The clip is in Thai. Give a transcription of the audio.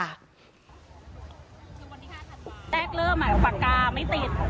แรกเริ่มปากกาไม่ติด